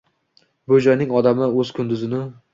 Bu joyning odami o’z kunduzini